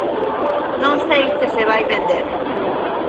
Non sei se se vai vender.